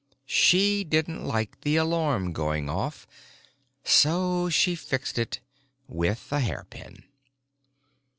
She didn't like the alarm going off. So she fixed it. With a hairpin."